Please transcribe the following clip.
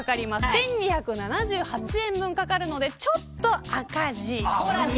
１２７８円分かかるのでちょっと赤字。